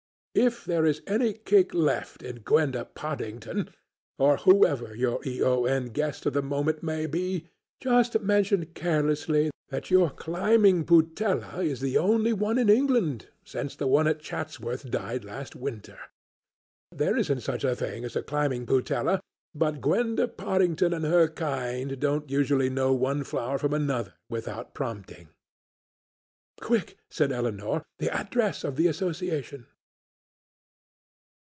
If there is any kick left in Gwenda Pottingdon, or whoever your E.O.N. guest of the moment may be, just mention carelessly that your climbing putella is the only one in England, since the one at Chatsworth died last winter. There isn't such a thing as a climbing putella, but Gwenda Pottingdon and her kind don't usually know one flower from another without prompting." "Quick," said Elinor, "the address of the Association."